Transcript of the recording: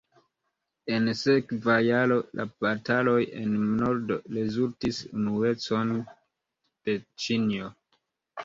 En sekva jaro, la bataloj en nordo rezultis unuecon de Ĉinio.